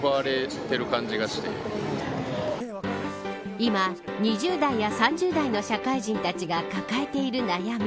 今、２０代や３０代の社会人たちが抱えている悩み